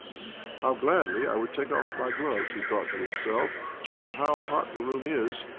" How gladly I would take off my gloves !" he thought to himself. " And how hot the room is